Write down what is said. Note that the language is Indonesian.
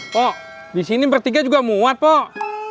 pok disini mbertiga juga muat pok